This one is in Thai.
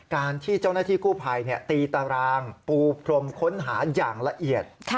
การที่เจ้าหน้าที่กู้ภัยตีตารางปูพรมค้นหาอย่างละเอียด